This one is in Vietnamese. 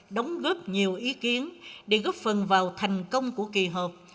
đóng góp nhiều ý kiến để góp phần vào thành công của kinh tế